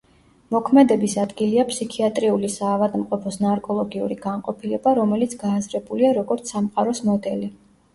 მოქმედების ადგილია ფსიქიატრიული საავადმყოფოს ნარკოლოგიური განყოფილება, რომელიც გააზრებულია, როგორც სამყაროს მოდელი.